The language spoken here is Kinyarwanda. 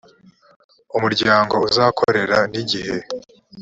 umuryango uzakorera n igihe